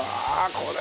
これ。